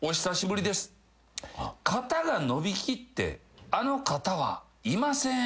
「肩が伸びきってあの肩はいませーん？」